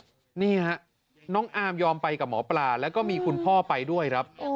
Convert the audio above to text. นี่ฮะน้องอาร์มยอมไปกับหมอปลาแล้วก็มีคุณพ่อไปด้วยครับ